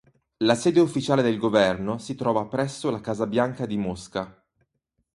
La sede ufficiale del governo si trova presso la Casa Bianca di Mosca.